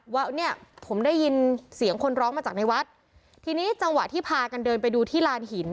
ว่าเนี่ยผมได้ยินเสียงคนร้องมาจากในวัดทีนี้จังหวะที่พากันเดินไปดูที่ลานหิน